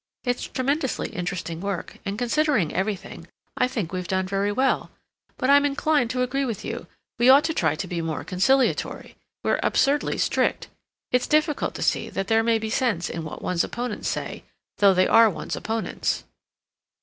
It's tremendously interesting work, and considering everything, I think we've done very well. But I'm inclined to agree with you; we ought to try to be more conciliatory. We're absurdly strict. It's difficult to see that there may be sense in what one's opponents say, though they are one's opponents.